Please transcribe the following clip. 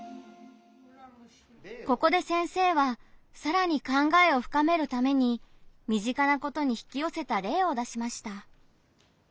ここで先生はさらに考えを深めるために身近なことに引きよせた例を出しました。